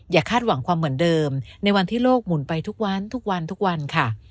คาดหวังความเหมือนเดิมในวันที่โลกหมุนไปทุกวันทุกวันทุกวันค่ะ